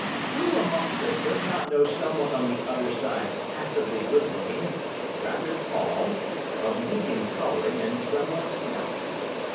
Who amongst us does not know someone on the other side passably good looking, rather tall, of medium colouring, and somewhat stout?